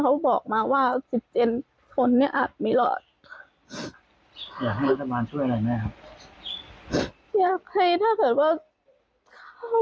เขาบอกมาว่าสิทธิ์เจนคนอาจไม่หลอดอยากให้ถ้าเกิดว่า